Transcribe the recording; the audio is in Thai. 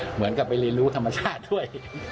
เหมือนกับไปเรียนรู้ธรรมชาติด้วย